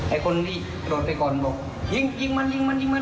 ไอ้คนนี้โดดไปก่อนบอกยิงยิงมันยิงมันยิงมัน